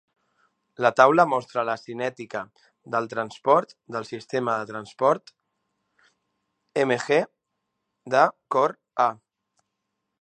La taula mostra la cinètica del transport del sistema de transport Mg de CorA.